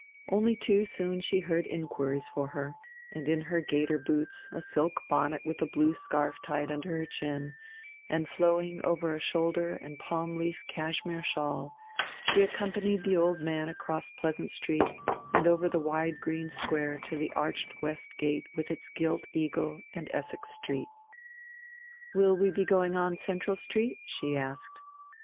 Only too soon she heard inquiries for her; and in her gaiter boots, a silk bonnet with a blue scarf tied under her chin and flowing over a shoulder and palm leaf cashmere shawl, she accompanied the old man across Pleasant Street and over the wide green Square to the arched west gate with its gilt eagle and Essex Street. "Will we be going on Central Street?" she asked.